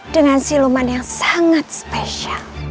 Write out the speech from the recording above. dengan siluman yang sangat spesial